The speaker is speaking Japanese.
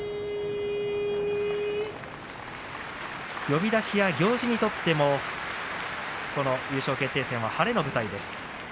呼出しや行司にとってもこの優勝決定戦は晴れの舞台です。